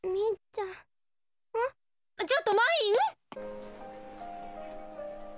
ちょっとまいん！